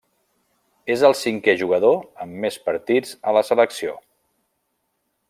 És el cinquè jugador amb més partits a la selecció.